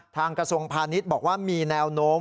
กระทรวงพาณิชย์บอกว่ามีแนวโน้ม